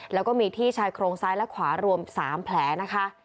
แล้วก็มีที่ชายโครงซ้ายและขวารวม๓แผลนะคะ